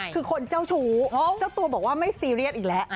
คือคนเจ้าชู้เจ้าตัวบอกว่าไม่ซีเรียสอีกแล้ว